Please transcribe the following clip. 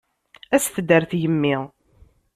Aset-d ɣer tgemmi.